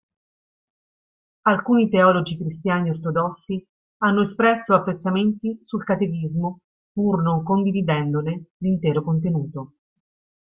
Alcuni teologi cristiani ortodossi hanno espresso apprezzamenti sul catechismo pur non condividendone l'intero contenuto.